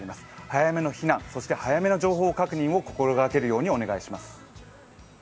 早めの避難、そして早めの情報確認を心がけるようお願いします。